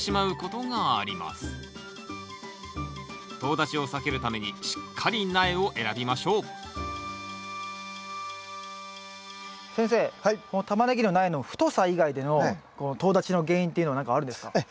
とう立ちを避けるためにしっかり苗を選びましょう先生このタマネギの苗の太さ以外でのこのとう立ちの原因っていうのは何かあるんですか？